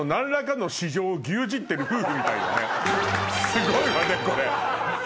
すごいわねこれ。